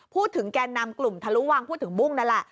แกนนำกลุ่มทะลุวังพูดถึงบุ้งนั่นแหละ